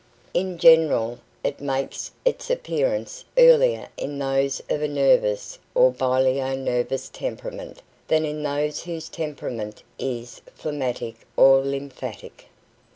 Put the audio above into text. In general, it makes its appearance earlier in those of a nervous or bilio nervous temperament than in those whose temperament is phlegmatic or lymphatic.